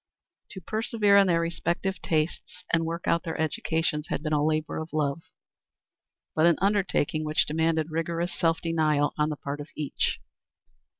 To persevere in their respective tastes and work out their educations had been a labor of love, but an undertaking which demanded rigorous self denial on the part of each.